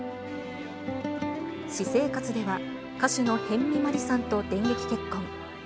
私生活では、歌手の辺見マリさんと電撃結婚。